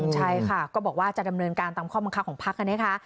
ใช่ค่ะก็บอกว่าจะดำเนินการตามข้อบังคับของพักกันนะคะ